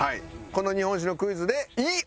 この日本史のクイズでほう。